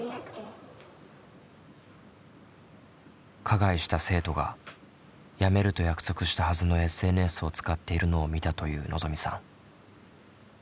加害した生徒がやめると約束したはずのＳＮＳを使っているのを見たというのぞみさん。